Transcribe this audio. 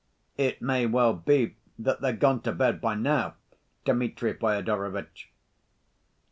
"It may well be that they're gone to bed, by now, Dmitri Fyodorovitch."